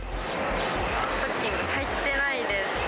ストッキングはいてないですね。